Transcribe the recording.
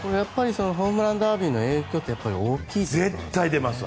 ホームランダービーの影響って大きいんですか？